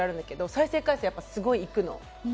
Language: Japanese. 再生回数やっぱすごいいくの。